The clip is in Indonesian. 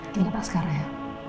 gila pak sekarang ya